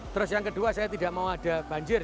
terus yang kedua saya tidak mau ada banjir